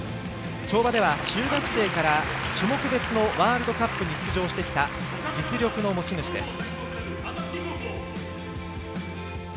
跳馬では中学生から種目別のワールドカップに出場してきた実力の持ち主です。